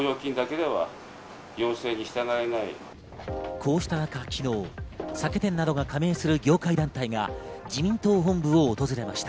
こうした中、昨日、酒店などが加盟する業界団体が自民党本部を訪れました。